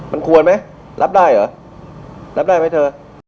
มันควรไหมรับได้เหรอรับได้ไหมเธอ